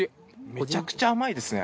めちゃくちゃ甘いですね。